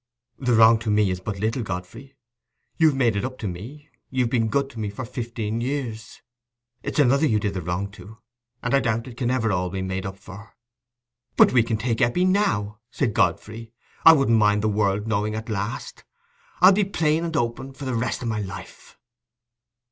"The wrong to me is but little, Godfrey: you've made it up to me—you've been good to me for fifteen years. It's another you did the wrong to; and I doubt it can never be all made up for." "But we can take Eppie now," said Godfrey. "I won't mind the world knowing at last. I'll be plain and open for the rest o' my life."